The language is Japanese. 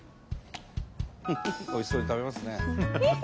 おいしそうに食べますね。